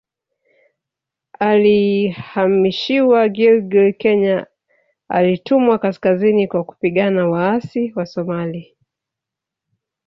Alihamishiwa Gilgil Kenya alitumwa kaskazini kwa kupigania waasi Wasomalia